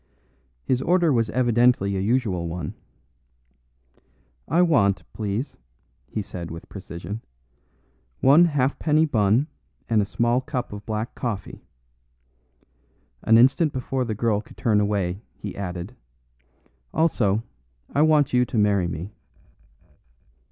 His order was evidently a usual one. "I want, please," he said with precision, "one halfpenny bun and a small cup of black coffee." An instant before the girl could turn away he added, "Also, I want you to marry me."